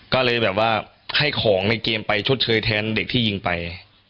ก็เลยแบบว่าให้ของในเกมไปชดเชยแทนเด็กที่ยิงไป